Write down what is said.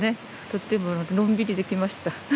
とってものんびりできました。